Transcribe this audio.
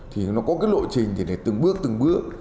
thì nó có cái lộ trình thì để từng bước từng bước